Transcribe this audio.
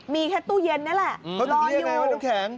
มีแค่ตู้เย็นนี่แหละรออยู่